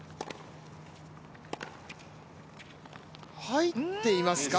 入っていますか？